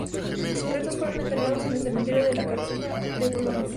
Sus restos fueron enterrados en el Cementerio de la Cartuja de Bolonia.